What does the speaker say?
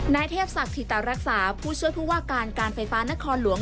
นายเทพศักดิตรรักษาผู้ช่วยผู้ว่าการการไฟฟ้านครหลวง